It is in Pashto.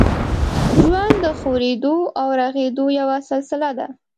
ژوند د خوږېدو او رغېدو یوه سلسله ده.